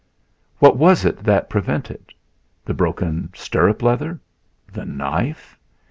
What was it that prevented? The broken stirrup leather? The knife?